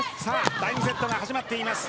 第２セットが始まっています。